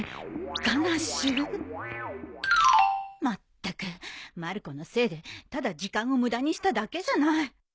まったくまる子のせいでただ時間を無駄にしただけじゃない。